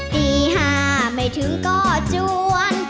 ตี๕ไม่ถึงก็จวน